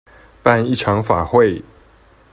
辦一場法會